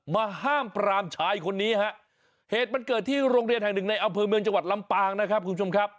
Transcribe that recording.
ห้ามปรามชายคนนี้ฮะเหตุมันเกิดที่โรงเรียนแห่งหนึ่งในอำเภอเมืองจังหวัดลำปางนะครับคุณผู้ชมครับ